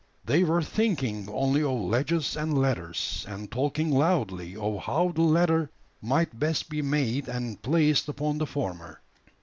They were thinking only of ledges and ladders, and talking loudly of how the latter might best be made and placed upon the former.